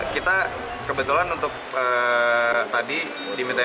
kita kebetulan untuk tadi dimintain